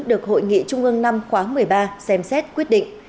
được hội nghị trung ương năm khóa một mươi ba xem xét quyết định